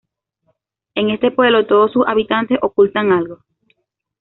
En este pueblo todos sus habitantes ocultan algo.